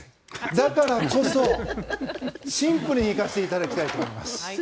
だからこそシンプルに行かせていただきたいと思います。